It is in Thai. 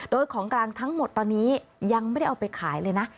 โดยของกลางทั้งหมดตอนนี้ยังไม่ได้เอาไปขายเลยนะ